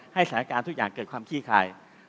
สถานการณ์ทุกอย่างเกิดความขี้คาย